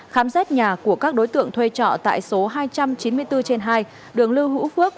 khám xét nhà của các đối tượng thuê trọ tại số hai trăm chín mươi bốn trên hai đường lưu hữu phước